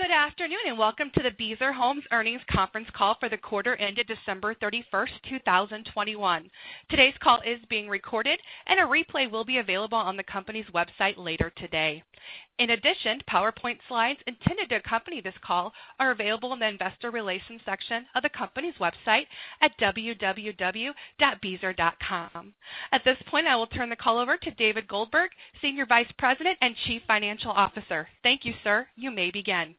Good afternoon, and welcome to the Beazer Homes Earnings Conference Call for the quarter ended December 31, 2021. Today's call is being recorded, and a replay will be available on the company's website later today. In addition, PowerPoint slides intended to accompany this call are available in the Investor Relations section of the company's website at www.beazer.com. At this point, I will turn the call over to David Goldberg, Senior Vice President and Chief Financial Officer. Thank you, sir. You may begin.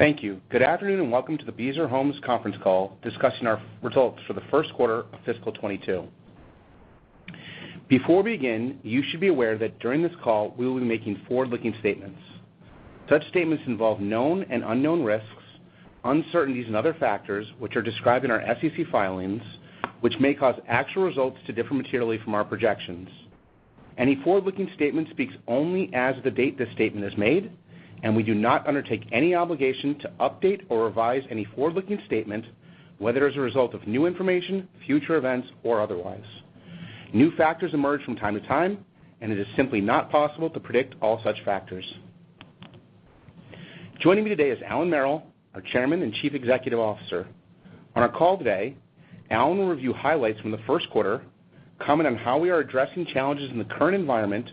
Thank you. Good afternoon, and welcome to the Beazer Homes conference call discussing our results for the first quarter of fiscal 2022. Before we begin, you should be aware that during this call, we will be making forward-looking statements. Such statements involve known and unknown risks, uncertainties, and other factors which are described in our SEC filings, which may cause actual results to differ materially from our projections. Any forward-looking statement speaks only as of the date the statement is made, and we do not undertake any obligation to update or revise any forward-looking statement, whether as a result of new information, future events, or otherwise. New factors emerge from time to time, and it is simply not possible to predict all such factors. Joining me today is Allan Merrill, our Chairman and Chief Executive Officer. On our call today, Allan will review highlights from the first quarter, comment on how we are addressing challenges in the current environment,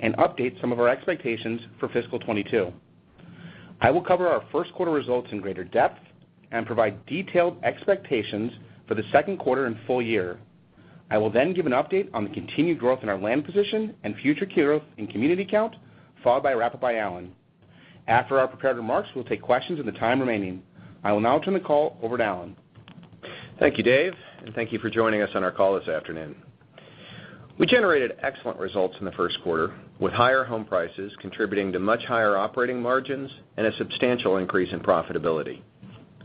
and update some of our expectations for fiscal 2022. I will cover our first quarter results in greater depth and provide detailed expectations for the second quarter and full year. I will then give an update on the continued growth in our land position and future key growth in community count, followed by a wrap-up by Allan. After our prepared remarks, we'll take questions in the time remaining. I will now turn the call over to Allan. Thank you, Dave, and thank you for joining us on our call this afternoon. We generated excellent results in the first quarter, with higher home prices contributing to much higher operating margins and a substantial increase in profitability.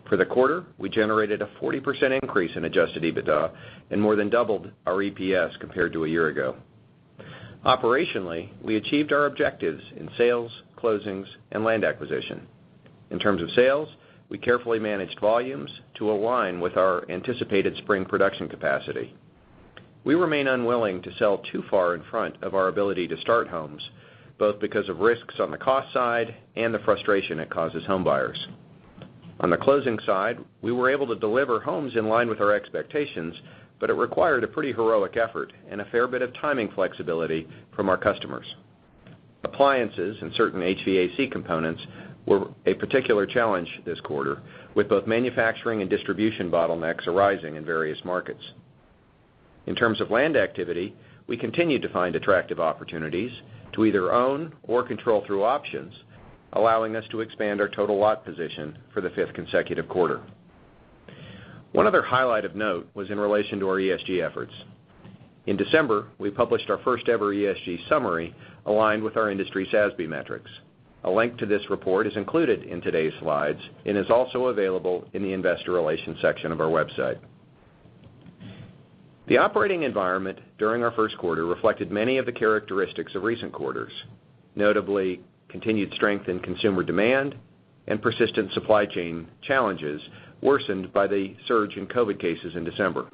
For the quarter, we generated a 40% increase in adjusted EBITDA and more than doubled our EPS compared to a year ago. Operationally, we achieved our objectives in sales, closings, and land acquisition. In terms of sales, we carefully managed volumes to align with our anticipated spring production capacity. We remain unwilling to sell too far in front of our ability to start homes, both because of risks on the cost side and the frustration it causes homebuyers. On the closing side, we were able to deliver homes in line with our expectations, but it required a pretty heroic effort and a fair bit of timing flexibility from our customers. Appliances and certain HVAC components were a particular challenge this quarter, with both manufacturing and distribution bottlenecks arising in various markets. In terms of land activity, we continued to find attractive opportunities to either own or control through options, allowing us to expand our total lot position for the fifth consecutive quarter. One other highlight of note was in relation to our ESG efforts. In December, we published our first-ever ESG summary aligned with our industry SASB metrics. A link to this report is included in today's slides and is also available in the Investor Relations section of our website. The operating environment during our first quarter reflected many of the characteristics of recent quarters, notably continued strength in consumer demand and persistent supply chain challenges worsened by the surge in COVID cases in December.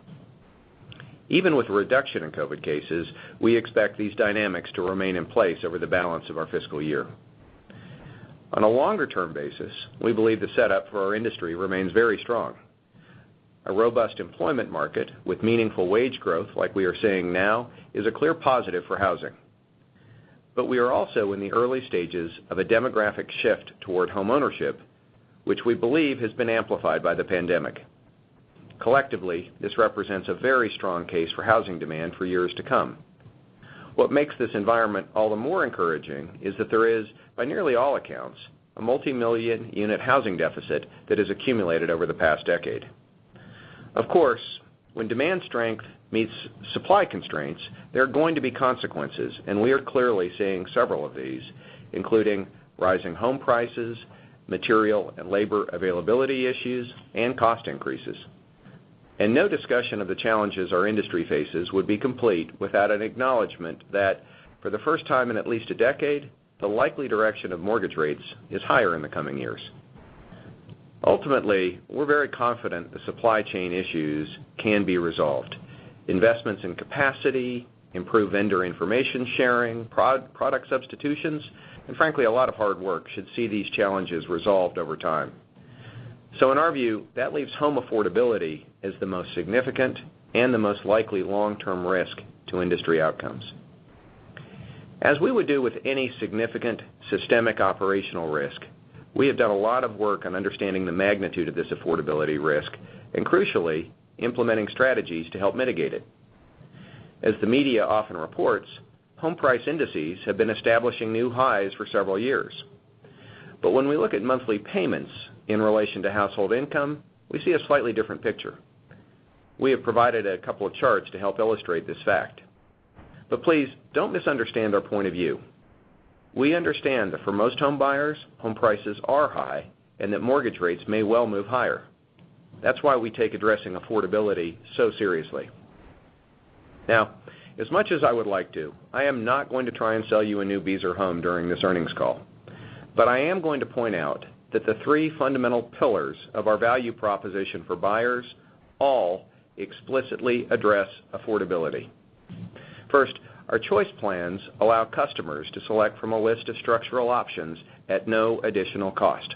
Even with a reduction in COVID cases, we expect these dynamics to remain in place over the balance of our fiscal year. On a longer-term basis, we believe the setup for our industry remains very strong. A robust employment market with meaningful wage growth, like we are seeing now, is a clear positive for housing. We are also in the early stages of a demographic shift toward homeownership, which we believe has been amplified by the pandemic. Collectively, this represents a very strong case for housing demand for years to come. What makes this environment all the more encouraging is that there is, by nearly all accounts, a multi-million unit housing deficit that has accumulated over the past decade. Of course, when demand strength meets supply constraints, there are going to be consequences, and we are clearly seeing several of these, including rising home prices, material and labor availability issues, and cost increases. No discussion of the challenges our industry faces would be complete without an acknowledgment that for the first time in at least a decade, the likely direction of mortgage rates is higher in the coming years. Ultimately, we're very confident the supply chain issues can be resolved. Investments in capacity, improved vendor information sharing, product substitutions, and frankly, a lot of hard work should see these challenges resolved over time. In our view, that leaves home affordability as the most significant and the most likely long-term risk to industry outcomes. As we would do with any significant systemic operational risk, we have done a lot of work on understanding the magnitude of this affordability risk and crucially, implementing strategies to help mitigate it. As the media often reports, home price indices have been establishing new highs for several years. When we look at monthly payments in relation to household income, we see a slightly different picture. We have provided a couple of charts to help illustrate this fact. Please don't misunderstand our point of view. We understand that for most homebuyers, home prices are high and that mortgage rates may well move higher. That's why we take addressing affordability so seriously. Now, as much as I would like to, I am not going to try and sell you a new Beazer home during this earnings call. I am going to point out that the three fundamental pillars of our value proposition for buyers all explicitly address affordability. First, our Choice Plans™ allow customers to select from a list of structural options at no additional cost.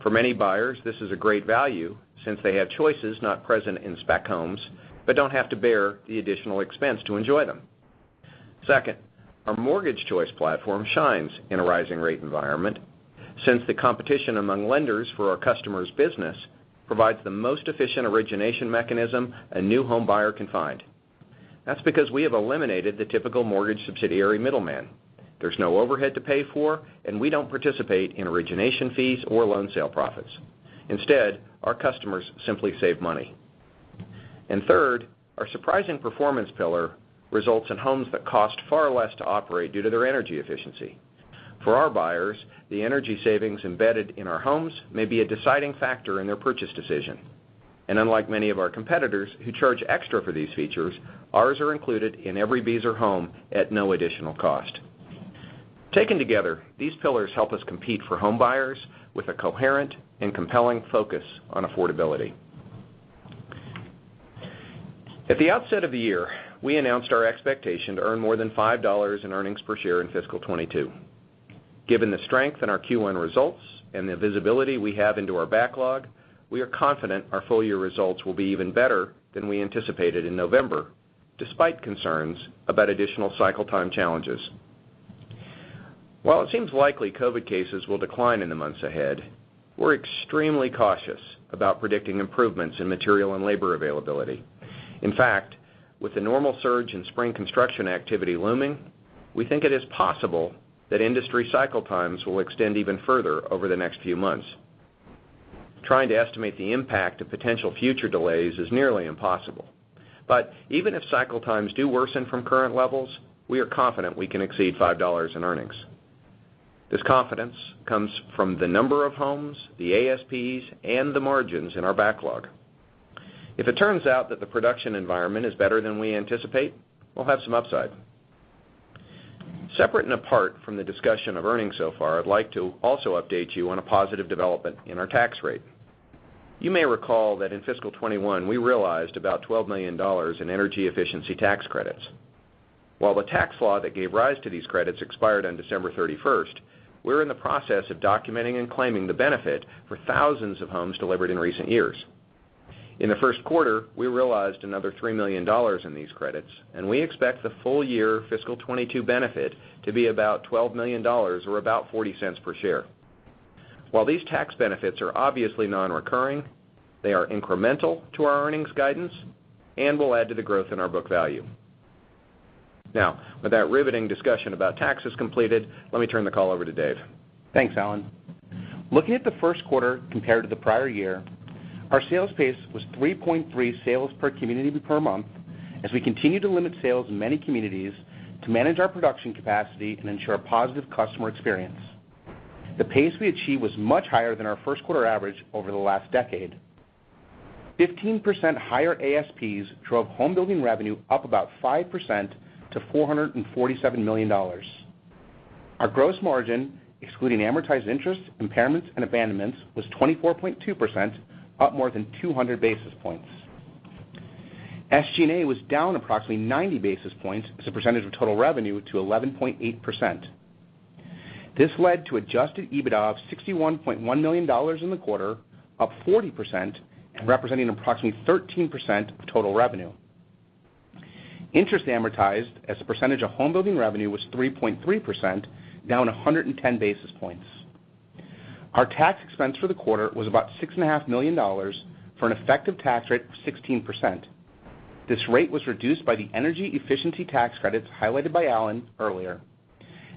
For many buyers, this is a great value since they have choices not present in spec homes, but don't have to bear the additional expense to enjoy them. Second, our Mortgage Choice platform shines in a rising rate environment since the competition among lenders for our customers' business provides the most efficient origination mechanism a new homebuyer can find. That's because we have eliminated the typical mortgage subsidiary middleman. There's no overhead to pay for, and we don't participate in origination fees or loan sale profits. Instead, our customers simply save money. Third, our Surprising Performance pillar results in homes that cost far less to operate due to their energy efficiency. For our buyers, the energy savings embedded in our homes may be a deciding factor in their purchase decision. Unlike many of our competitors who charge extra for these features, ours are included in every Beazer home at no additional cost. Taken together, these pillars help us compete for homebuyers with a coherent and compelling focus on affordability. At the outset of the year, we announced our expectation to earn more than $5 in earnings per share in fiscal 2022. Given the strength in our Q1 results and the visibility we have into our backlog, we are confident our full year results will be even better than we anticipated in November, despite concerns about additional cycle time challenges. While it seems likely COVID cases will decline in the months ahead, we're extremely cautious about predicting improvements in material and labor availability. In fact, with the normal surge in spring construction activity looming, we think it is possible that industry cycle times will extend even further over the next few months. Trying to estimate the impact of potential future delays is nearly impossible. Even if cycle times do worsen from current levels, we are confident we can exceed $5 in earnings. This confidence comes from the number of homes, the ASPs, and the margins in our backlog. If it turns out that the production environment is better than we anticipate, we'll have some upside. Separate and apart from the discussion of earnings so far, I'd like to also update you on a positive development in our tax rate. You may recall that in fiscal 2021, we realized about $12 million in energy efficiency tax credits. While the tax law that gave rise to these credits expired on December 31, we're in the process of documenting and claiming the benefit for thousands of homes delivered in recent years. In the first quarter, we realized another $3 million in these credits, and we expect the full year fiscal 2022 benefit to be about $12 million or about $0.40 per share. While these tax benefits are obviously non-recurring, they are incremental to our earnings guidance and will add to the growth in our book value. Now, with that riveting discussion about taxes completed, let me turn the call over to Dave. Thanks, Alan. Looking at the first quarter compared to the prior year, our sales pace was 3.3 sales per community per month as we continue to limit sales in many communities to manage our production capacity and ensure a positive customer experience. The pace we achieved was much higher than our first quarter average over the last decade. 15% higher ASPs drove home building revenue up about 5% to $447 million. Our gross margin, excluding amortized interest, impairments, and abandonments, was 24.2%, up more than 200 basis points. SG&A was down approximately 90 basis points as a percentage of total revenue to 11.8%. This led to adjusted EBITDA of $61.1 million in the quarter, up 40% and representing approximately 13% of total revenue. Interest amortized as a percentage of home building revenue was 3.3%, down 110 basis points. Our tax expense for the quarter was about $6.5 million for an effective tax rate of 16%. This rate was reduced by the energy efficiency tax credits highlighted by Allan earlier.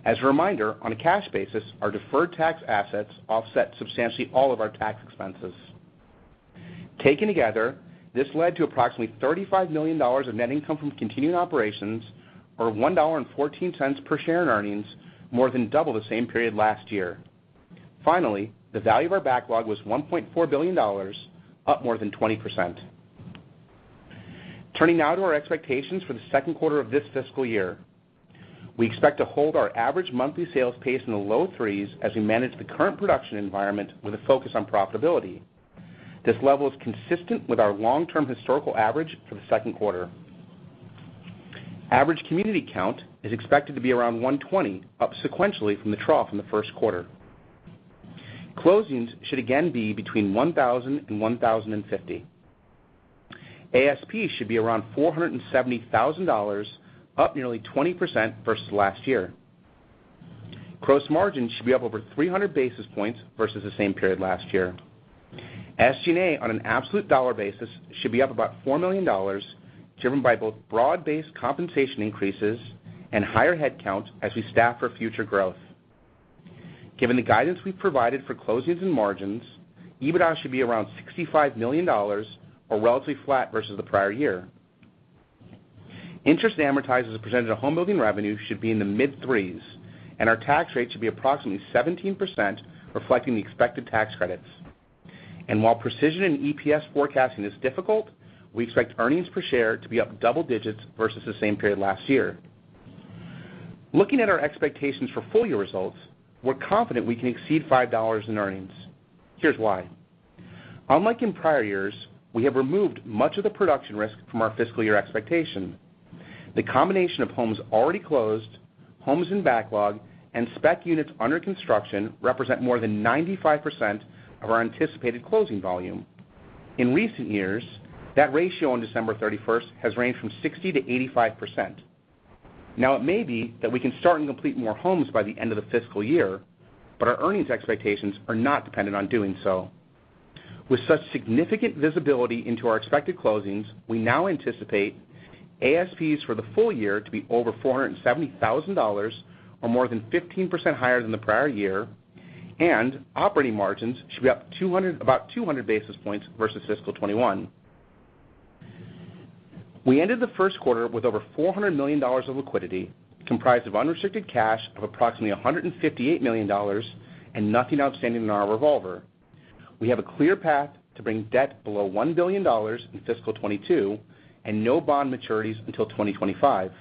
As a reminder, on a cash basis, our deferred tax assets offset substantially all of our tax expenses. Taken together, this led to approximately $35 million of net income from continuing operations, or $1.14 per share in earnings, more than double the same period last year. Finally, the value of our backlog was $1.4 billion, up more than 20%. Turning now to our expectations for the second quarter of this fiscal year. We expect to hold our average monthly sales pace in the low threes as we manage the current production environment with a focus on profitability. This level is consistent with our long-term historical average for the second quarter. Average community count is expected to be around 120, up sequentially from the trough in the first quarter. Closings should again be between 1,000 and 1,050. ASP should be around $470,000, up nearly 20% versus last year. Gross margin should be up over 300 basis points versus the same period last year. SG&A on an absolute dollar basis should be up about $4 million, driven by both broad-based compensation increases and higher headcount as we staff for future growth. Given the guidance we've provided for closings and margins, EBITDA should be around $65 million or relatively flat versus the prior year. Interest amortized as a percentage of home building revenue should be in the mid-3s%, and our tax rate should be approximately 17%, reflecting the expected tax credits. While precision in EPS forecasting is difficult, we expect earnings per share to be up double digits versus the same period last year. Looking at our expectations for full year results, we're confident we can exceed $5 in earnings. Here's why. Unlike in prior years, we have removed much of the production risk from our fiscal year expectation. The combination of homes already closed, homes in backlog, and spec units under construction represent more than 95% of our anticipated closing volume. In recent years, that ratio on December thirty-first has ranged from 60%-85%. Now it may be that we can start and complete more homes by the end of the fiscal year, but our earnings expectations are not dependent on doing so. With such significant visibility into our expected closings, we now anticipate ASPs for the full year to be over $470,000 or more than 15% higher than the prior year, and operating margins should be up about 200 basis points versus fiscal 2021. We ended the first quarter with over $400 million of liquidity, comprised of unrestricted cash of approximately $158 million and nothing outstanding in our revolver. We have a clear path to bring debt below $1 billion in fiscal 2022 and no bond maturities until 2025.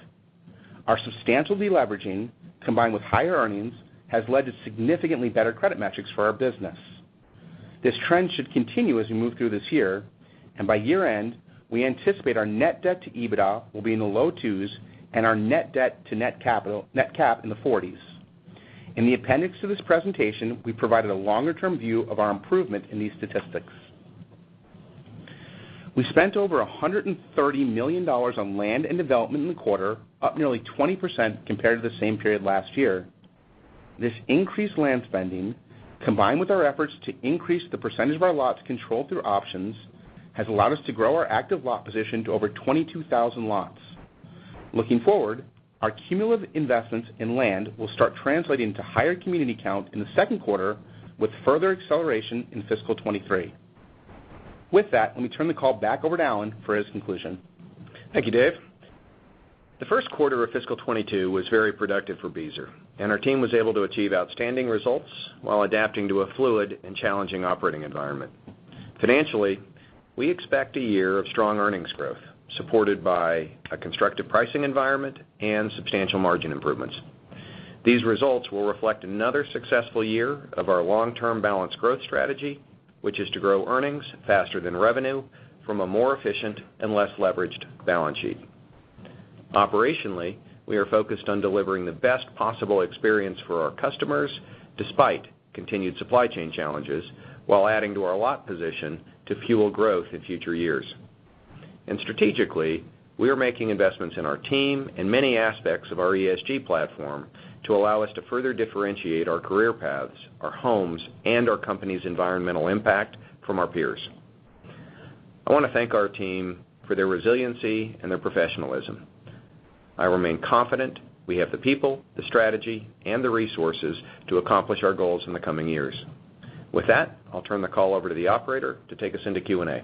Our substantial deleveraging, combined with higher earnings, has led to significantly better credit metrics for our business. This trend should continue as we move through this year, and by year-end, we anticipate our net debt to EBITDA will be in the low twos and our net debt to net cap in the forties. In the appendix to this presentation, we provided a longer term view of our improvement in these statistics. We spent over $130 million on land and development in the quarter, up nearly 20% compared to the same period last year. This increased land spending, combined with our efforts to increase the percentage of our lots controlled through options, has allowed us to grow our active lot position to over 22,000 lots. Looking forward, our cumulative investments in land will start translating to higher community count in the second quarter with further acceleration in fiscal 2023. With that, let me turn the call back over to Allan for his conclusion. Thank you, David. The first quarter of fiscal 2022 was very productive for Beazer, and our team was able to achieve outstanding results while adapting to a fluid and challenging operating environment. Financially, we expect a year of strong earnings growth, supported by a constructive pricing environment and substantial margin improvements. These results will reflect another successful year of our long-term balanced growth strategy, which is to grow earnings faster than revenue from a more efficient and less leveraged balance sheet. Operationally, we are focused on delivering the best possible experience for our customers despite continued supply chain challenges while adding to our lot position to fuel growth in future years. Strategically, we are making investments in our team and many aspects of our ESG platform to allow us to further differentiate our career paths, our homes, and our company's environmental impact from our peers. I want to thank our team for their resiliency and their professionalism. I remain confident we have the people, the strategy, and the resources to accomplish our goals in the coming years. With that, I'll turn the call over to the operator to take us into Q&A.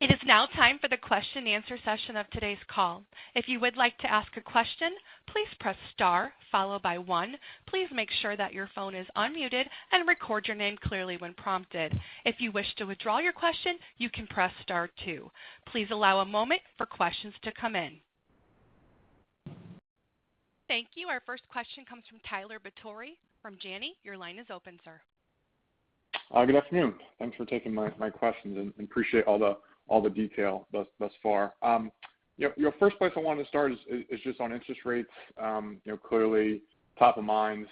It is now time for the question and answer session of today's call. If you would like to ask a question, please press Star followed by one. Please make sure that your phone is unmuted and record your name clearly when prompted. If you wish to withdraw your question, you can press Star two. Please allow a moment for questions to come in. Thank you. Our first question comes from Tyler Batory from Janney. Your line is open, sir. Good afternoon. Thanks for taking my questions and appreciate all the detail thus far. You know, first place I wanted to start is just on interest rates, you know, clearly top of minds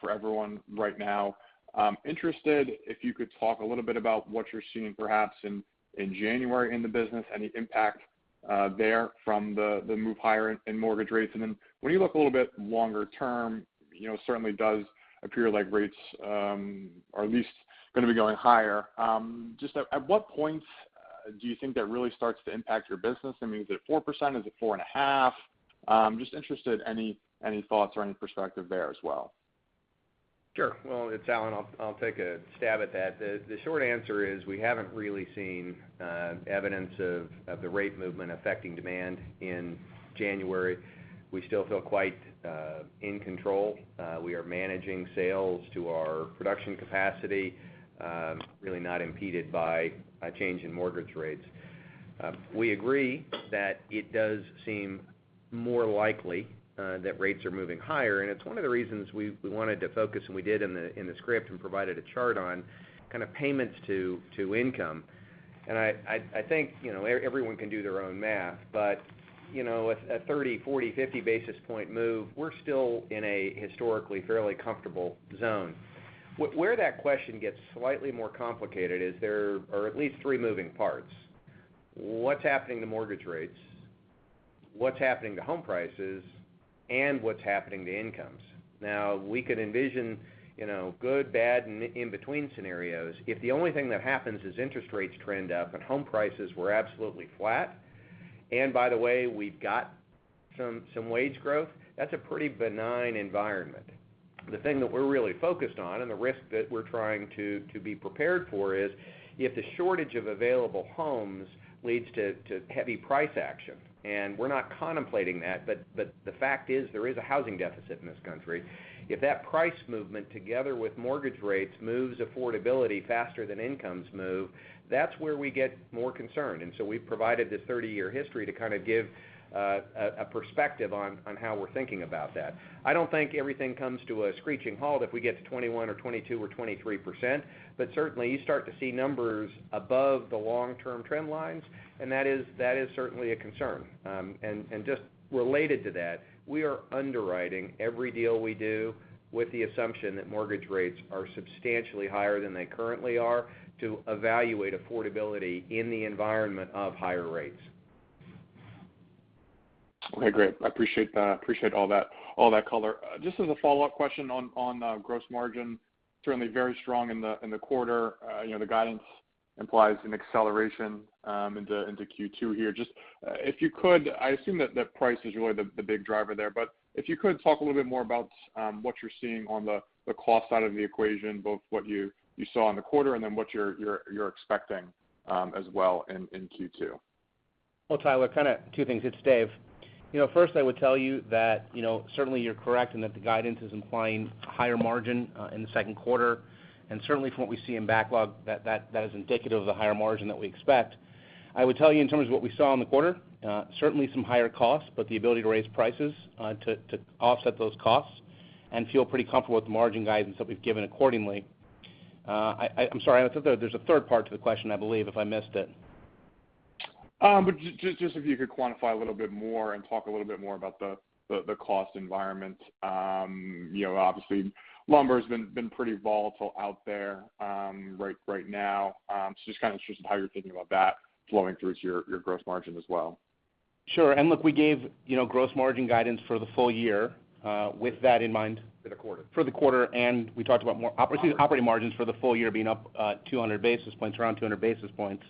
for everyone right now. I'm interested if you could talk a little bit about what you're seeing perhaps in January in the business, any impact there from the move higher in mortgage rates. Then when you look a little bit longer term, you know, it certainly does appear like rates are at least gonna be going higher. Just at what point do you think that really starts to impact your business? I mean, is it 4%? Is it 4.5%? Just interested, any thoughts or any perspective there as well. Sure. Well, it's Allan. I'll take a stab at that. The short answer is we haven't really seen evidence of the rate movement affecting demand in January. We still feel quite in control. We are managing sales to our production capacity, really not impeded by a change in mortgage rates. We agree that it does seem more likely that rates are moving higher, and it's one of the reasons we wanted to focus, and we did in the script, and provided a chart on kind of payments to income. I think, you know, everyone can do their own math, but, you know, at a 30, 40, 50 basis point move, we're still in a historically fairly comfortable zone. Where that question gets slightly more complicated is there are at least three moving parts. What's happening to mortgage rates, what's happening to home prices, and what's happening to incomes. Now, we could envision, you know, good, bad, and in between scenarios. If the only thing that happens is interest rates trend up and home prices were absolutely flat. By the way, we've got some wage growth. That's a pretty benign environment. The thing that we're really focused on and the risk that we're trying to be prepared for is if the shortage of available homes leads to heavy price action, and we're not contemplating that, but the fact is there is a housing deficit in this country. If that price movement, together with mortgage rates, moves affordability faster than incomes move, that's where we get more concerned. So we've provided this thirty-year history to kind of give a perspective on how we're thinking about that. I don't think everything comes to a screeching halt if we get to 21 or 22 or 23%. Certainly, you start to see numbers above the long-term trend lines, and that is certainly a concern. Just related to that, we are underwriting every deal we do with the assumption that mortgage rates are substantially higher than they currently are to evaluate affordability in the environment of higher rates. Okay, great. I appreciate that. I appreciate all that color. Just as a follow-up question on gross margin, certainly very strong in the quarter. You know, the guidance implies an acceleration into Q2 here. Just, if you could, I assume that the price is really the big driver there, but if you could talk a little bit more about what you're seeing on the cost side of the equation, both what you saw in the quarter and then what you're expecting as well in Q2. Well, Tyler, kind of two things. It's Dave. You know, first I would tell you that, you know, certainly you're correct and that the guidance is implying higher margin in the second quarter. Certainly from what we see in backlog, that is indicative of the higher margin that we expect. I would tell you in terms of what we saw in the quarter, certainly some higher costs, but the ability to raise prices to offset those costs and feel pretty comfortable with the margin guidance that we've given accordingly. I'm sorry. I thought there's a third part to the question, I believe, if I missed it. Just if you could quantify a little bit more and talk a little bit more about the cost environment. You know, obviously lumber's been pretty volatile out there, right now. Just kind of interested how you're thinking about that flowing through to your gross margin as well. Sure. Look, we gave, you know, gross margin guidance for the full year, with that in mind. For the quarter. For the quarter, we talked about more op- Operating... operating margins for the full year being up 200 basis points, around 200 basis points.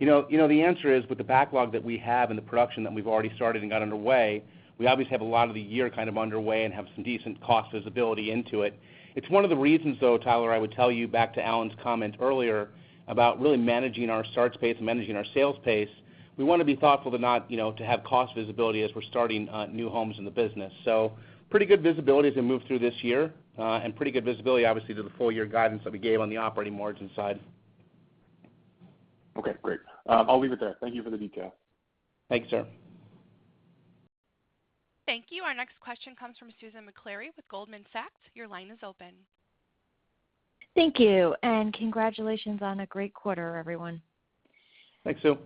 You know, the answer is with the backlog that we have and the production that we've already started and got underway, we obviously have a lot of the year kind of underway and have some decent cost visibility into it. It's one of the reasons, though, Tyler, I would tell you back to Alan's comment earlier about really managing our start space and managing our sales pace. We wanna be thoughtful to not, you know, to have cost visibility as we're starting new homes in the business. So pretty good visibility as we move through this year, and pretty good visibility obviously to the full year guidance that we gave on the operating margin side. Okay, great. I'll leave it there. Thank you for the detail. Thank you, sir. Thank you. Our next question comes from Susan Maklari with Goldman Sachs. Your line is open. Thank you, and congratulations on a great quarter, everyone. Thanks, Sue.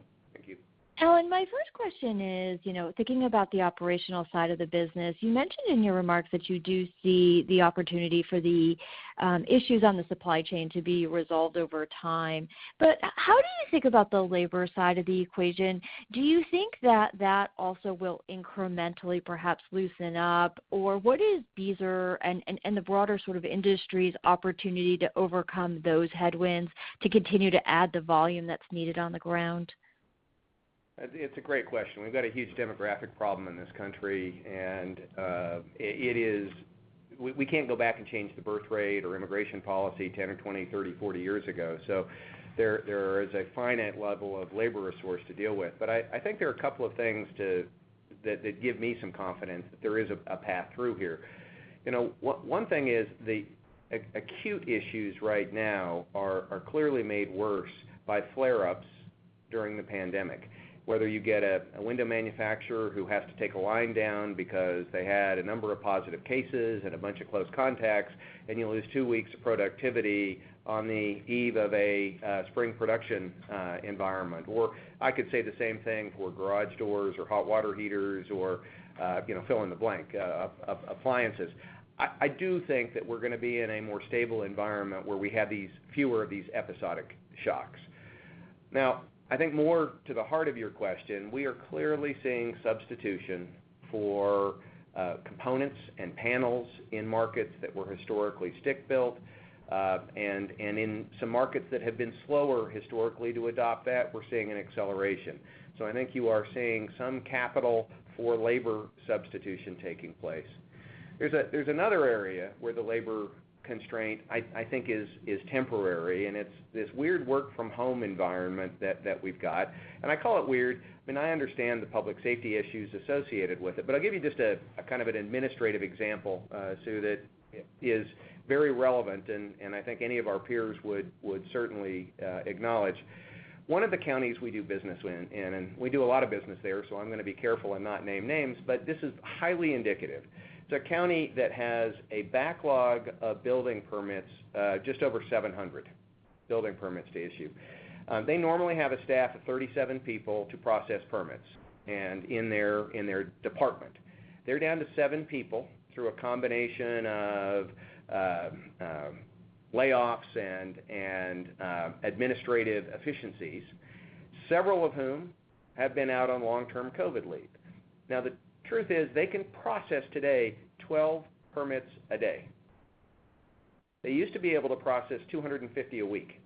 Thank you. Alan, my first question is, you know, thinking about the operational side of the business, you mentioned in your remarks that you do see the opportunity for the issues on the supply chain to be resolved over time. How do you think about the labor side of the equation? Do you think that that also will incrementally perhaps loosen up? Or what is Beazer and the broader sort of industry's opportunity to overcome those headwinds to continue to add the volume that's needed on the ground? It's a great question. We've got a huge demographic problem in this country, and it is. We can't go back and change the birth rate or immigration policy 10 or 20, 30, 40 years ago. There is a finite level of labor resource to deal with. I think there are a couple of things that give me some confidence that there is a path through here. You know, one thing is the acute issues right now are clearly made worse by flare-ups during the pandemic. Whether you get a window manufacturer who has to take a line down because they had a number of positive cases and a bunch of close contacts, and you lose two weeks of productivity on the eve of a spring production environment. I could say the same thing for garage doors or hot water heaters or, you know, fill in the blank, appliances. I do think that we're gonna be in a more stable environment where we have these fewer of these episodic shocks. Now, I think more to the heart of your question, we are clearly seeing substitution for, components and panels in markets that were historically stick-built. In some markets that have been slower historically to adopt that, we're seeing an acceleration. I think you are seeing some capital for labor substitution taking place. There's another area where the labor constraint I think is temporary, and it's this weird work from home environment that we've got. I call it weird. I mean, I understand the public safety issues associated with it, but I'll give you just a kind of an administrative example, Sue, that is very relevant, and I think any of our peers would certainly acknowledge. One of the counties we do business in, and we do a lot of business there, so I'm gonna be careful and not name names, but this is highly indicative. It's a county that has a backlog of building permits, just over 700 building permits to issue. They normally have a staff of 37 people to process permits and in their department. They're down to seven people through a combination of layoffs and administrative efficiencies, several of whom have been out on long-term COVID leave. The truth is they can process today 12 permits a day. They used to be able to process 250 a week.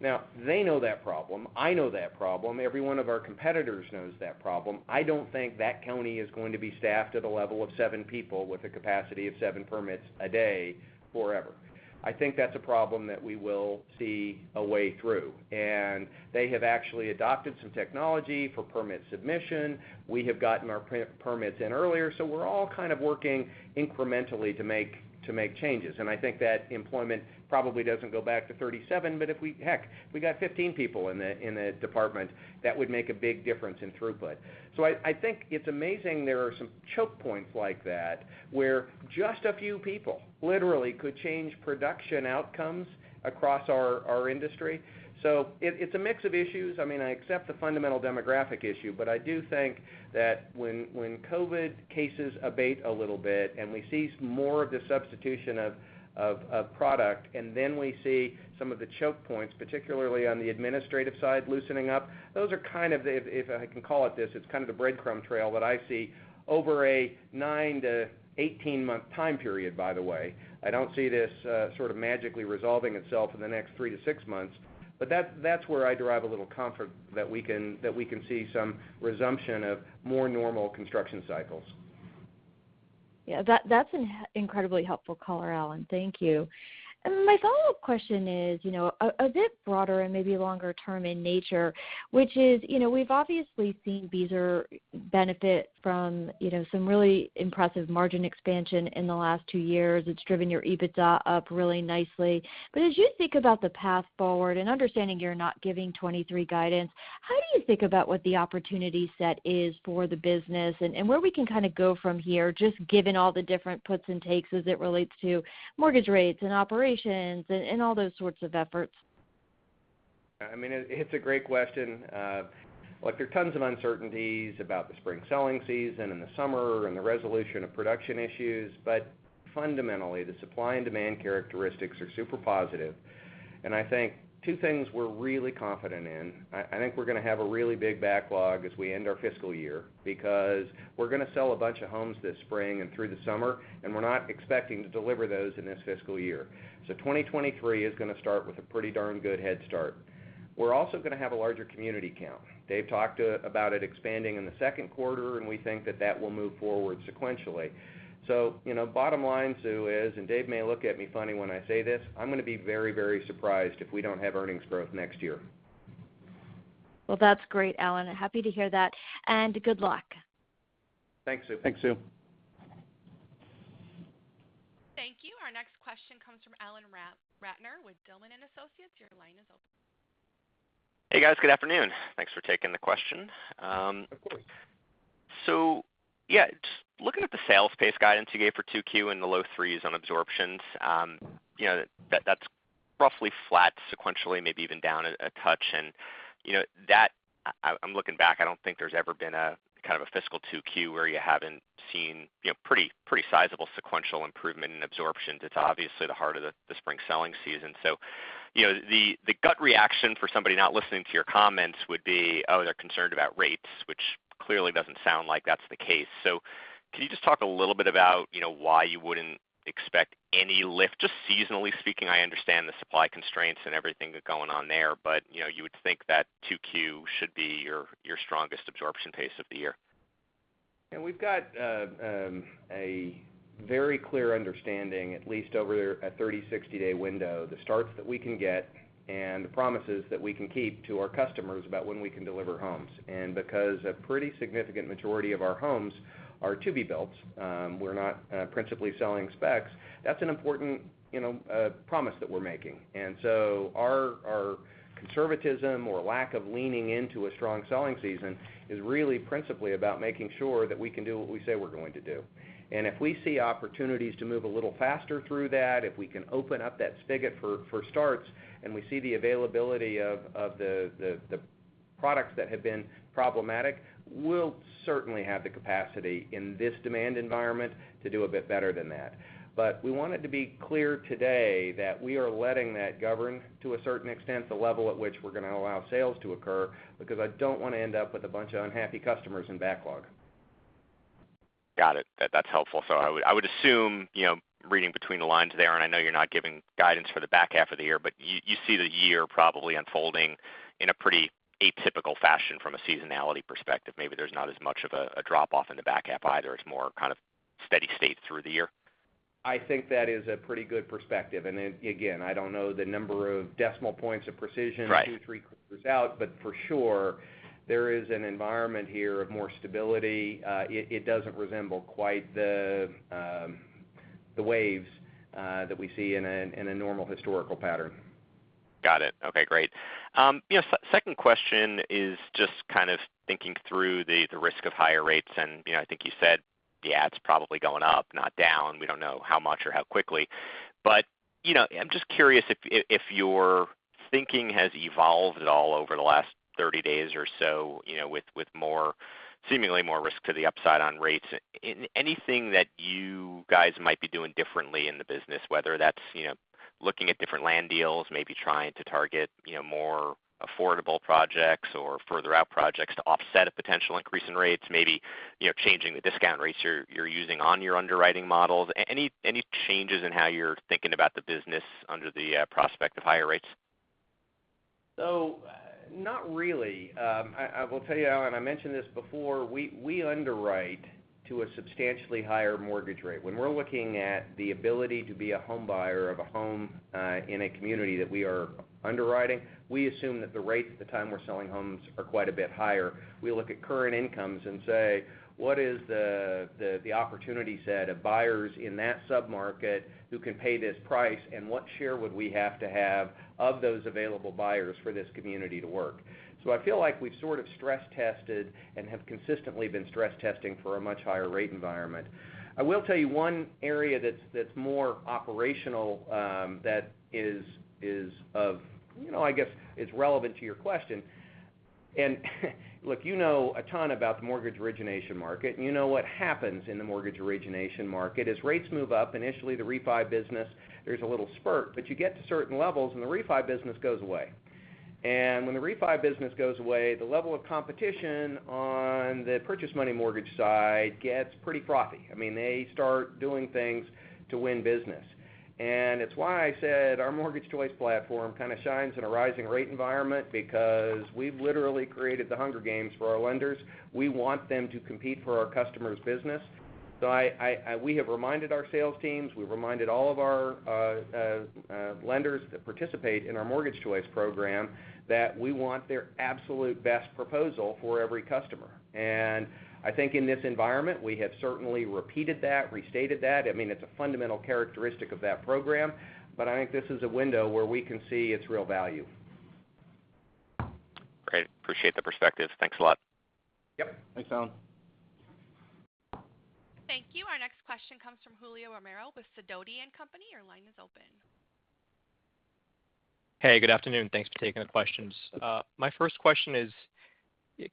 They know that problem. I know that problem. Every one of our competitors knows that problem. I don't think that county is going to be staffed at a level of seven people with a capacity of seven permits a day forever. I think that's a problem that we will see a way through, and they have actually adopted some technology for permit submission. We have gotten our permits in earlier, so we're all kind of working incrementally to make changes, and I think that employment probably doesn't go back to 37, but if we, heck, we got 15 people in the department that would make a big difference in throughput. I think it's amazing there are some choke points like that, where just a few people literally could change production outcomes across our industry. It's a mix of issues. I mean, I accept the fundamental demographic issue, but I do think that when COVID cases abate a little bit and we see more of the substitution of product, and then we see some of the choke points, particularly on the administrative side, loosening up, those are kind of the breadcrumb trail that I see over a 9-18-month time period, if I can call it this, by the way. I don't see this sort of magically resolving itself in the next 3-6 months, but that's where I derive a little comfort that we can see some resumption of more normal construction cycles. Yeah. That's an incredibly helpful color, Alan. Thank you. My follow-up question is, you know, a bit broader and maybe longer term in nature, which is, you know, we've obviously seen Beazer benefit from, you know, some really impressive margin expansion in the last two years. It's driven your EBITDA up really nicely. As you think about the path forward and understanding you're not giving 2023 guidance, how do you think about what the opportunity set is for the business and where we can kind of go from here, just given all the different puts and takes as it relates to mortgage rates and operations and all those sorts of efforts? I mean, it's a great question. Look, there are tons of uncertainties about the spring selling season and the summer and the resolution of production issues. Fundamentally, the supply and demand characteristics are super positive. I think two things we're really confident in. I think we're gonna have a really big backlog as we end our fiscal year, because we're gonna sell a bunch of homes this spring and through the summer, and we're not expecting to deliver those in this fiscal year. 2023 is gonna start with a pretty darn good head start. We're also gonna have a larger community count. Dave talked about it expanding in the second quarter, and we think that will move forward sequentially. You know, bottom line, Sue, is, and Dave may look at me funny when I say this, I'm gonna be very, very surprised if we don't have earnings growth next year. Well, that's great, Alan. Happy to hear that, and good luck. Thanks, Sue. Thanks, Sue. Thank you. Our next question comes from Alan Ratner with Zelman & Associates. Your line is open. Hey, guys. Good afternoon. Thanks for taking the question. Yeah, just looking at the sales pace guidance you gave for 2Q and the low threes on absorptions, you know, that's roughly flat sequentially, maybe even down a touch. You know, I'm looking back, I don't think there's ever been a kind of fiscal 2Q where you haven't seen pretty sizable sequential improvement in absorptions. It's obviously the heart of the spring selling season. You know, the gut reaction for somebody not listening to your comments would be, oh, they're concerned about rates, which clearly doesn't sound like that's the case. Can you just talk a little bit about, you know, why you wouldn't expect any lift, just seasonally speaking? I understand the supply constraints and everything going on there, but, you know, you would think that 2Q should be your strongest absorption pace of the year. We've got a very clear understanding, at least over a 30-, 60-day window, the starts that we can get and the promises that we can keep to our customers about when we can deliver homes. Because a pretty significant majority of our homes are to-be builds, we're not principally selling specs, that's an important, you know, promise that we're making. Our conservatism or lack of leaning into a strong selling season is really principally about making sure that we can do what we say we're going to do. If we see opportunities to move a little faster through that, if we can open up that spigot for starts, and we see the availability of the products that have been problematic, we'll certainly have the capacity in this demand environment to do a bit better than that. But we want it to be clear today that we are letting that govern to a certain extent, the level at which we're gonna allow sales to occur, because I don't wanna end up with a bunch of unhappy customers in backlog. Got it. That's helpful. I would assume, you know, reading between the lines there, and I know you're not giving guidance for the back half of the year, but you see the year probably unfolding in a pretty atypical fashion from a seasonality perspective. Maybe there's not as much of a drop-off in the back half either. It's more kind of steady state through the year. I think that is a pretty good perspective. Again, I don't know the number of decimal points of precision. Right. 2-3 quarters out, but for sure there is an environment here of more stability. It doesn't resemble quite the waves that we see in a normal historical pattern. Got it. Okay, great. You know, second question is just kind of thinking through the risk of higher rates. You know, I think you said, yeah, it's probably going up, not down. We don't know how much or how quickly. You know, I'm just curious if your thinking has evolved at all over the last 30 days or so, you know, with seemingly more risk to the upside on rates. Anything that you guys might be doing differently in the business, whether that's, you know- Looking at different land deals, maybe trying to target, you know, more affordable projects or further out projects to offset a potential increase in rates, maybe, you know, changing the discount rates you're using on your underwriting models. Any changes in how you're thinking about the business under the prospect of higher rates? Not really. I will tell you, Alan, I mentioned this before. We underwrite to a substantially higher mortgage rate. When we're looking at the ability to be a home buyer of a home, in a community that we are underwriting, we assume that the rates at the time we're selling homes are quite a bit higher. We look at current incomes and say, "What is the opportunity set of buyers in that sub-market who can pay this price, and what share would we have to have of those available buyers for this community to work?" I feel like we've sort of stress-tested and have consistently been stress testing for a much higher rate environment. I will tell you one area that's more operational, that is of, you know, I guess, is relevant to your question. Look, you know a ton about the mortgage origination market, and you know what happens in the mortgage origination market. As rates move up, initially the refi business, there's a little spurt, but you get to certain levels, and the refi business goes away. When the refi business goes away, the level of competition on the purchase money mortgage side gets pretty frothy. I mean, they start doing things to win business. It's why I said our Mortgage Choice platform kind of shines in a rising rate environment because we've literally created the Hunger Games for our lenders. We want them to compete for our customers' business. We have reminded our sales teams, we've reminded all of our lenders that participate in our Mortgage Choice program that we want their absolute best proposal for every customer. I think in this environment, we have certainly repeated that, restated that. I mean, it's a fundamental characteristic of that program. I think this is a window where we can see its real value. Great. Appreciate the perspective. Thanks a lot. Yep. Thanks, Allan. Thank you. Our next question comes from Julio Romero with Sidoti & Company. Your line is open. Hey, good afternoon. Thanks for taking the questions. My first question is,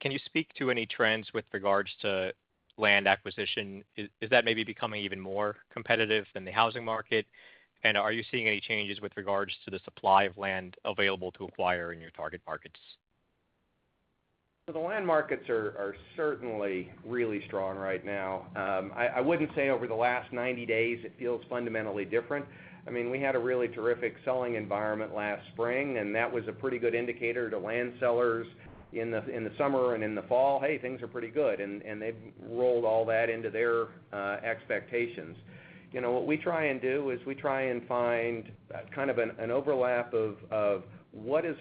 can you speak to any trends with regards to land acquisition? Is that maybe becoming even more competitive than the housing market? Are you seeing any changes with regards to the supply of land available to acquire in your target markets? The land markets are certainly really strong right now. I wouldn't say over the last 90 days it feels fundamentally different. I mean, we had a really terrific selling environment last spring, and that was a pretty good indicator to land sellers in the summer and in the fall, "Hey, things are pretty good." They've rolled all that into their expectations. You know, what we try and do is we try and find kind of an overlap of what is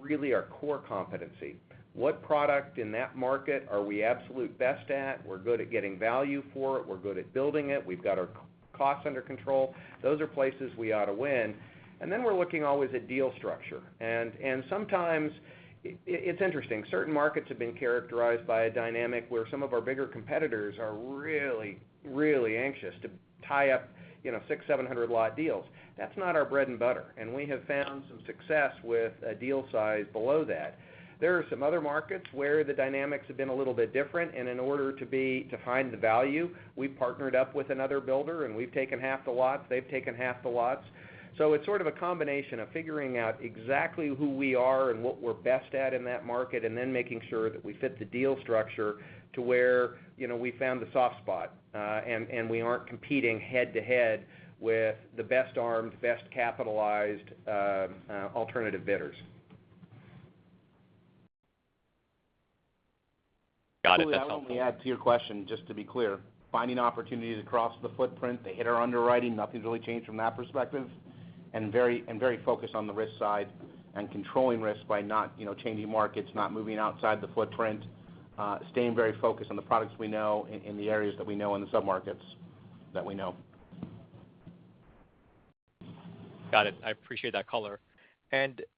really our core competency. What product in that market are we absolute best at? We're good at getting value for it. We're good at building it. We've got our costs under control. Those are places we ought to win. Then we're looking always at deal structure. Sometimes it's interesting. Certain markets have been characterized by a dynamic where some of our bigger competitors are really, really anxious to tie up, you know, 600-700 lot deals. That's not our bread and butter, and we have found some success with a deal size below that. There are some other markets where the dynamics have been a little bit different, and in order to find the value, we've partnered up with another builder, and we've taken half the lots, they've taken half the lots. It's sort of a combination of figuring out exactly who we are and what we're best at in that market, and then making sure that we fit the deal structure to where, you know, we found the soft spot, and we aren't competing head-to-head with the best armed, best capitalized alternative bidders. Got it. That's helpful. Julio, let me add to your question, just to be clear. Finding opportunities across the footprint, they hit our underwriting, nothing's really changed from that perspective. Very focused on the risk side and controlling risk by not, you know, changing markets, not moving outside the footprint, staying very focused on the products we know in the areas that we know and the sub-markets that we know. Got it. I appreciate that color. You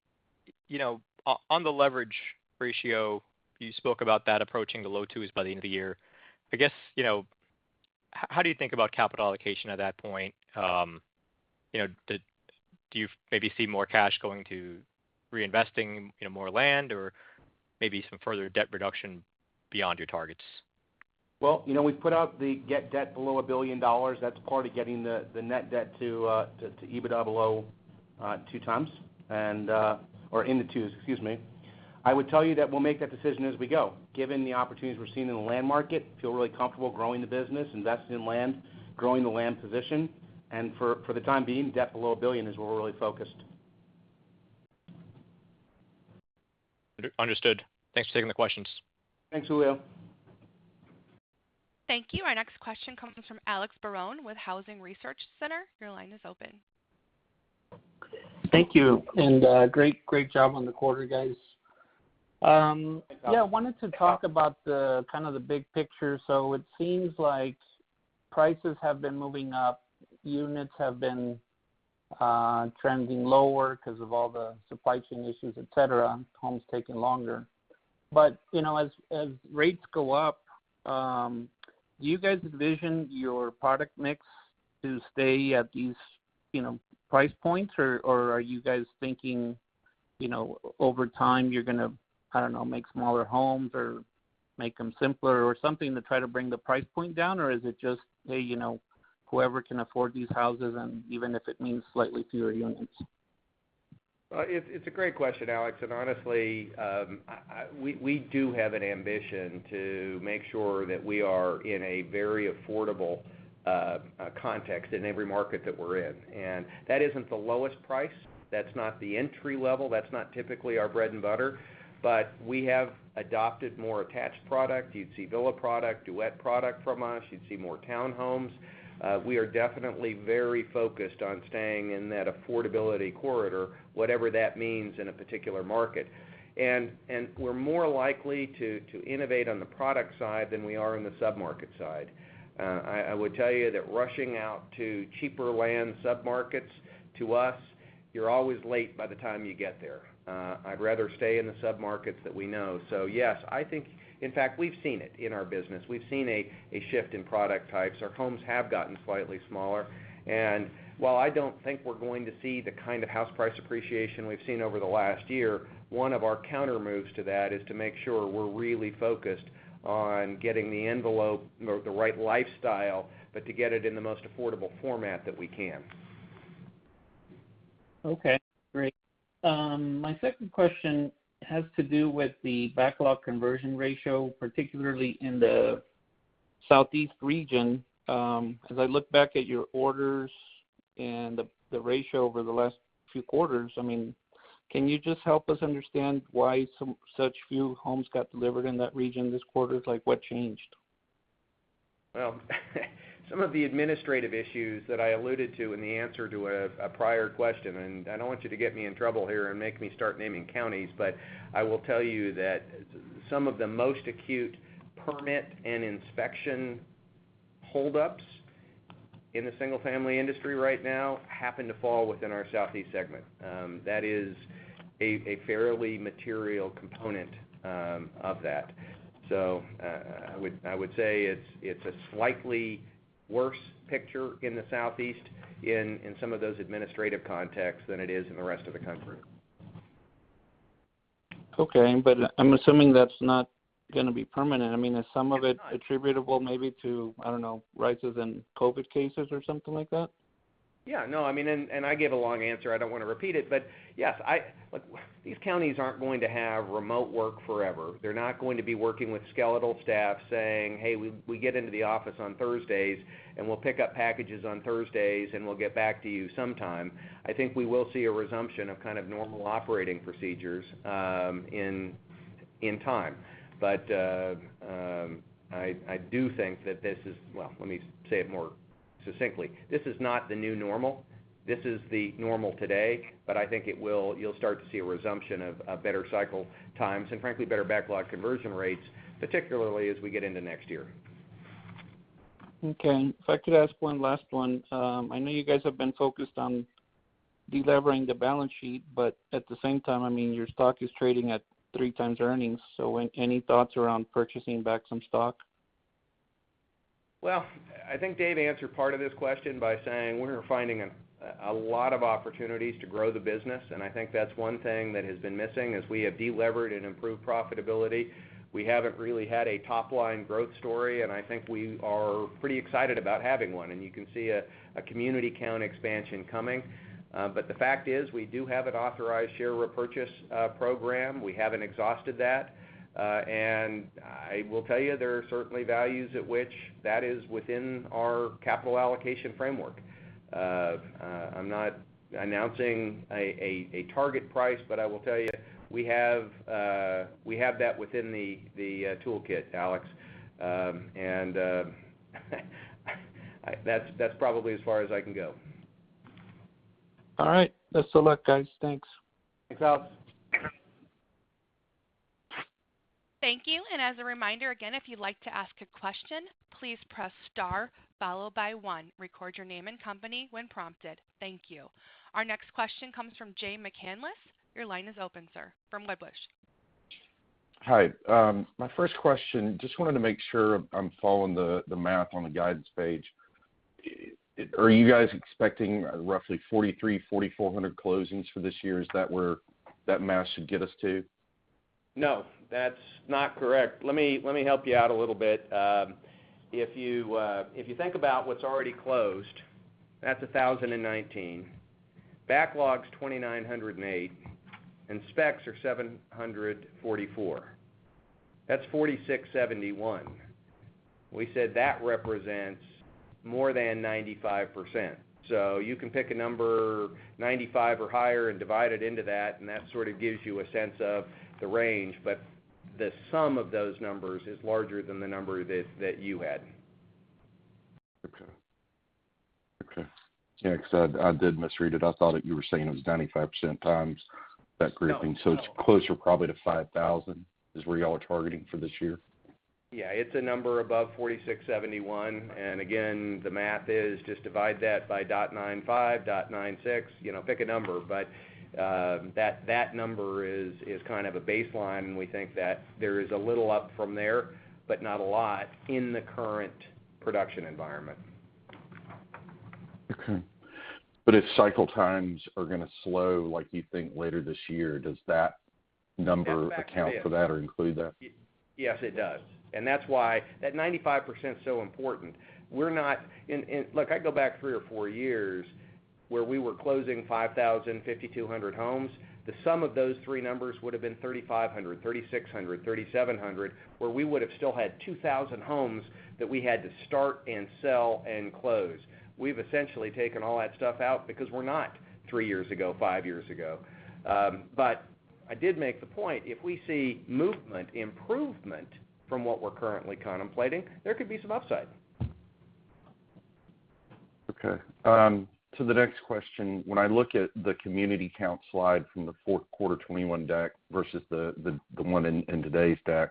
know, on the leverage ratio, you spoke about that approaching the low twos by the end of the year. I guess, you know, how do you think about capital allocation at that point? You know, do you maybe see more cash going to reinvesting in more land or maybe some further debt reduction beyond your targets? Well, you know, we've put out the goal to get debt below $1 billion. That's part of getting the net debt to EBITDA below 2x and or in the 2s, excuse me. I would tell you that we'll make that decision as we go. Given the opportunities we're seeing in the land market, we feel really comfortable growing the business, investing in land, growing the land position. For the time being, debt below $1 billion is where we're really focused. Understood. Thanks for taking the questions. Thanks, Julio. Thank you. Our next question comes from Alex Barron with Housing Research Center. Your line is open. Thank you, and great job on the quarter, guys. Yeah, I wanted to talk about the kind of the big picture. It seems like prices have been moving up, units have been trending lower because of all the supply chain issues, et cetera, homes taking longer. You know, as rates go up, do you guys envision your product mix to stay at these, you know, price points, or are you guys thinking you know, over time you're gonna, I don't know, make smaller homes or make them simpler or something to try to bring the price point down? Or is it just, hey, you know, whoever can afford these houses and even if it means slightly fewer units? Well, it's a great question, Alex. Honestly, we do have an ambition to make sure that we are in a very affordable context in every market that we're in. That isn't the lowest price. That's not the entry level. That's not typically our bread and butter. We have adopted more attached product. You'd see villa product, duet product from us. You'd see more townhomes. We are definitely very focused on staying in that affordability corridor, whatever that means in a particular market. We're more likely to innovate on the product side than we are on the sub-market side. I would tell you that rushing out to cheaper land sub-markets, to us, you're always late by the time you get there. I'd rather stay in the sub-markets that we know. Yes, I think, in fact, we've seen it in our business. We've seen a shift in product types. Our homes have gotten slightly smaller. While I don't think we're going to see the kind of house price appreciation we've seen over the last year, one of our countermoves to that is to make sure we're really focused on getting the envelope or the right lifestyle, but to get it in the most affordable format that we can. Okay, great. My second question has to do with the backlog conversion ratio, particularly in the Southeast region. As I look back at your orders and the ratio over the last few quarters, I mean, can you just help us understand why such few homes got delivered in that region this quarter? Like, what changed? Well, some of the administrative issues that I alluded to in the answer to a prior question, and I don't want you to get me in trouble here and make me start naming counties, but I will tell you that some of the most acute permit and inspection holdups in the single-family industry right now happen to fall within our Southeast segment. That is a fairly material component of that. I would say it's a slightly worse picture in the Southeast in some of those administrative contexts than it is in the rest of the country. Okay. I'm assuming that's not gonna be permanent. I mean, is some of it attributable maybe to, I don't know, rises in COVID cases or something like that? Yeah, no, I mean, I gave a long answer. I don't wanna repeat it. Yes, look, these counties aren't going to have remote work forever. They're not going to be working with skeletal staff saying, "Hey, we get into the office on Thursdays, and we'll pick up packages on Thursdays, and we'll get back to you sometime." I think we will see a resumption of kind of normal operating procedures in time. I do think that this is. Well, let me say it more succinctly. This is not the new normal. This is the normal today. I think it will. You'll start to see a resumption of better cycle times and, frankly, better backlog conversion rates, particularly as we get into next year. Okay. If I could ask one last one. I know you guys have been focused on delevering the balance sheet, but at the same time, I mean, your stock is trading at 3x earnings. Any thoughts around purchasing back some stock? Well, I think Dave answered part of this question by saying we're finding a lot of opportunities to grow the business, and I think that's one thing that has been missing. As we have delevered and improved profitability, we haven't really had a top-line growth story, and I think we are pretty excited about having one. You can see a community count expansion coming. But the fact is we do have an authorized share repurchase program. We haven't exhausted that. I will tell you there are certainly values at which that is within our capital allocation framework. I'm not announcing a target price, but I will tell you we have that within the toolkit, Alex. That's probably as far as I can go. All right. Best of luck, guys. Thanks. Thanks, Alex. Thank you. As a reminder, again, if you'd like to ask a question, please press Star followed by one. Record your name and company when prompted. Thank you. Our next question comes from Jay McCanless. Your line is open, sir, from Wedbush. Hi. My first question, just wanted to make sure I'm following the math on the guidance page. Are you guys expecting roughly 4,300-4,400 closings for this year? Is that where that math should get us to? No, that's not correct. Let me help you out a little bit. If you think about what's already closed, that's 1,019. Backlog's 2,908. Specs are 744. That's 4,671. We said that represents more than 95%. You can pick a number 95 or higher and divide it into that, and that sort of gives you a sense of the range. The sum of those numbers is larger than the number that you had. Okay. Yeah, because I did misread it. I thought that you were saying it was 95% times that grouping. No, no. It's closer probably to 5,000 is where y'all are targeting for this year? Yeah, it's a number above $46.71. Again, the math is just divide that by 0.95, 0.96, you know, pick a number. That number is kind of a baseline, and we think that there is a little up from there, but not a lot in the current production environment. Okay. If cycle times are gonna slow like you think later this year, does that number account for that or include that? Yes, it does. That's why that 95% is so important. Look, I go back three or four years where we were closing 5,000, 5,200 homes. The sum of those three numbers would have been 3,500, 3,600, 3,700, where we would have still had 2,000 homes that we had to start and sell and close. We've essentially taken all that stuff out because we're not three years ago, five years ago. I did make the point, if we see movement, improvement from what we're currently contemplating, there could be some upside. Okay. The next question, when I look at the community count slide from the fourth quarter 2021 deck versus the one in today's deck,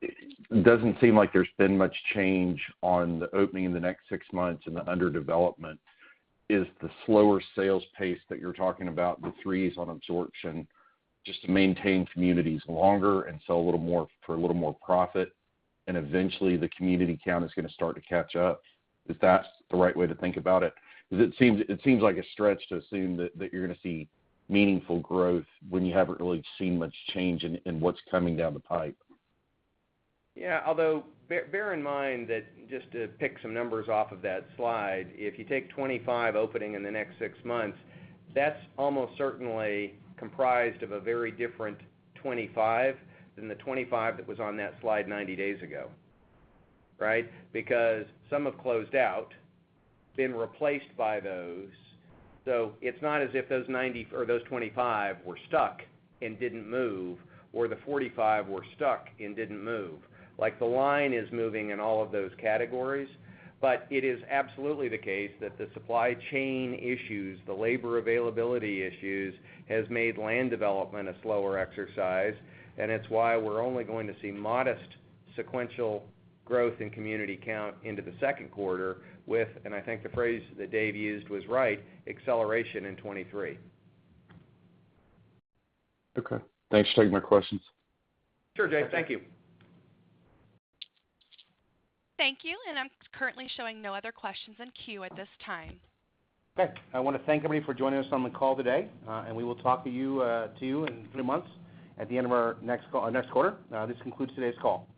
it doesn't seem like there's been much change on the opening in the next six months and the under development. Is the slower sales pace that you're talking about, the 3s on absorption, just to maintain communities longer and sell a little more for a little more profit, and eventually the community count is gonna start to catch up? If that's the right way to think about it. Because it seems like a stretch to assume that you're gonna see meaningful growth when you haven't really seen much change in what's coming down the pipe. Yeah, although bear in mind that just to pick some numbers off of that slide, if you take 25 openings in the next six months, that's almost certainly comprised of a very different 25 than the 25 that was on that slide 90 days ago, right? Because some have closed out, been replaced by those. It's not as if those 90 or those 25 were stuck and didn't move, or the 45 were stuck and didn't move. Like, the line is moving in all of those categories. It is absolutely the case that the supply chain issues, the labor availability issues, has made land development a slower exercise, and it's why we're only going to see modest sequential growth in community count into the second quarter with and I think the phrase that Dave used was right, acceleration in 2023. Okay. Thanks for taking my questions. Sure, Jay. Thank you. Thank you. I'm currently showing no other questions in queue at this time. Okay. I wanna thank everybody for joining us on the call today, and we will talk to you in three months at the end of our next quarter. This concludes today's call.